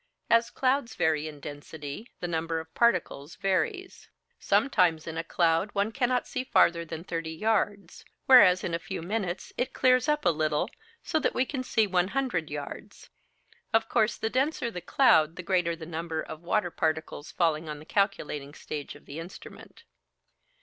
As clouds vary in density, the number of particles varies. Sometimes in a cloud one cannot see farther than 30 yards; whereas in a few minutes it clears up a little, so that we can see 100 yards. Of course, the denser the cloud the greater the number of water particles falling on the calculating stage of the instrument.